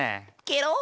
ケロ！